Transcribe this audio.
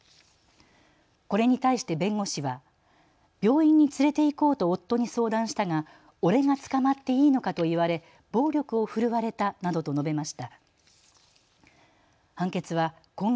これに対して弁護士は病院に連れて行こうと夫に相談したが俺が捕まっていいのかと言われ暴力を振るわれたなどと述べました。